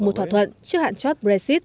một thỏa thuận trước hạn chốt brexit